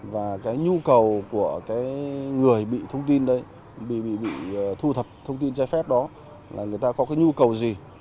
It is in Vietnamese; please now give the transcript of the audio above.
và cái nhu cầu của cái người bị thông tin đấy bị thu thập thông tin trái phép đó là người ta có cái nhu cầu gì